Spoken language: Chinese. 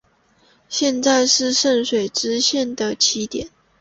现在是圣水支线的起点。